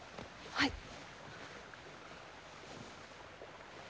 はい。